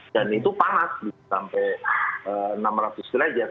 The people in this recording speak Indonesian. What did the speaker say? dan itu panas sampai enam ratus derajat